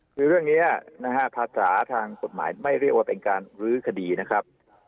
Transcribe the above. คือเรื่องนี้นะฮะภาษาทางกฎหมายไม่เรียกว่าเป็นการรื้อคดีนะครับ